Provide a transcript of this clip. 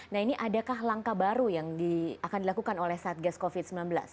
nah ini adakah langkah baru yang akan dilakukan oleh satgas covid sembilan belas